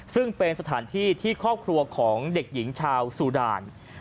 ซึ่งเป็นสถานที่ที่ครอบครัวของเด็กหญิงชาวซูดาน